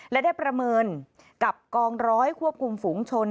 และได้ประเมินกับกองร้อยควบคุมฝูงชน